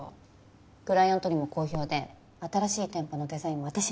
クライアントにも好評で新しい店舗のデザインも私にお願いしたいって。